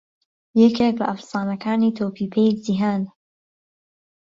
یهکێک له ئهفسانهکانى تۆپی پێی جیهان